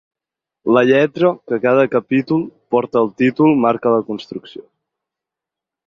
La lletra que cada capítol porta al títol marca la constricció.